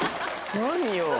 何よ